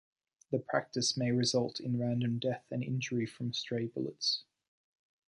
The practice may result in random death and injury from stray bullets.